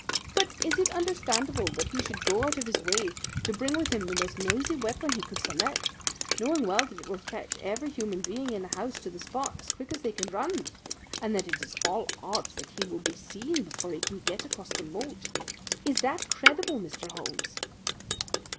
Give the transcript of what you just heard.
But is it understandable that he should go out of his way to bring with him the most noisy weapon he could select, knowing well that it will fetch every human being in the house to the spot as quick as they can run, and that it is all odds that he will be seen before he can get across the moat? Is that credible, Mr. Holmes?"